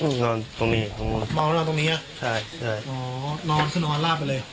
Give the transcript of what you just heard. นอนตรงนี้เมาแล้วตรงนี้อ่ะใช่ใช่อ๋อนอนคือนอนลาบไปเลย